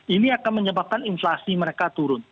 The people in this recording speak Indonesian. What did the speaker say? ini akan menyebabkan inflasi mereka turun